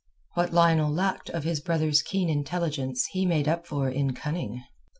What Lionel lacked of his brother's keen intelligence he made up for in cunning.